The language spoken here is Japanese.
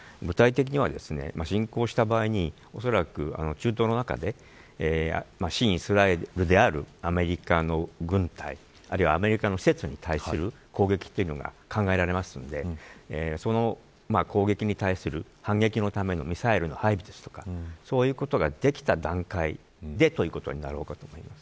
具体的には、侵攻した場合におそらく、中東の中で親イスラエルであるアメリカの軍隊、あるいはアメリカの施設に対する攻撃というのが考えられますのでその攻撃に対する反撃のためのミサイルの配備ですとかそういうことができた段階でということになると思います。